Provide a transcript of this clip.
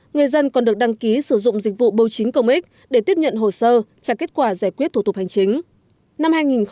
người dân còn được đăng ký sử dụng dịch vụ bưu chính công ích để tiếp nhận hồ sơ trả kết quả giải quyết thủ tục hành chính